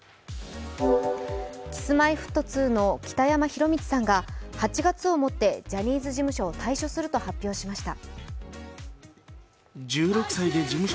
Ｋｉｓ−Ｍｙ−Ｆｔ２の北山宏光さんが８月をもってジャニーズ事務所を退所すると発表しました。